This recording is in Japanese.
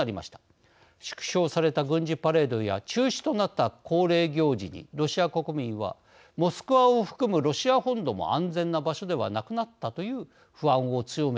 縮小された軍事パレードや中止となった恒例行事にロシア国民はモスクワを含むロシア本土も安全な場所ではなくなったという不安を強めたように思います。